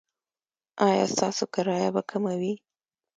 ایا ستاسو کرایه به کمه وي؟